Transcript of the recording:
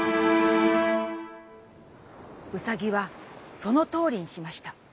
「うさぎはそのとおりにしました。